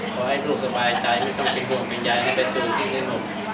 ขอให้ลูกสบายใจไม่ต้องเป็นบ่วงเป็นยายให้ไปสู่ที่นี่หมด